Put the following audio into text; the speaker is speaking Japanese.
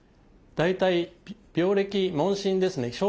大体病歴問診ですね